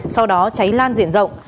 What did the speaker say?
sau đó cháy lan diện rộng